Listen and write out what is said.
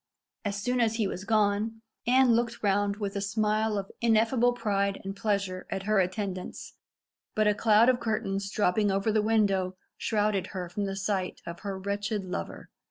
As soon as he was gone, Anne looked round with a smile of ineffable pride and pleasure at her attendants, but a cloud of curtains dropping over the window shrouded her from the sight of her wretched lover.